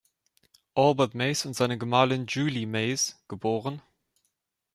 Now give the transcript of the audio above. Albert Mays und seine Gemahlin Julie Mays, geb.